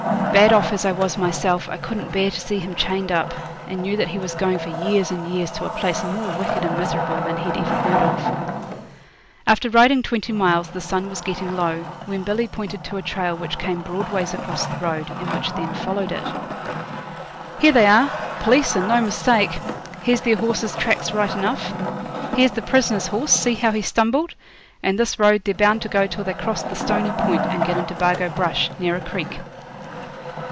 Bad off as I was myself I couldn't bear to see him chained up, and knew that he was going for years and years to a place more wicked and miserable than he'd ever heard of. After riding twenty miles the sun was getting low, when Billy pointed to a trail which came broad ways across the road, and which then followed it. 'Here they are p'leece, and no mistake. Here's their horses' tracks right enough. Here's the prisoner's horse, see how he stumbled? and this road they're bound to go till they cross the Stony point, and get into Bargo Brush, near a creek.'